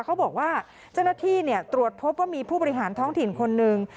เขาบอกว่าเจ้าหน้าที่ตรวจพบว่ามีผู้บริหารท้องถิ่นคนหนึ่ง